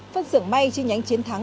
phân xưởng may trên nhánh chiến thắng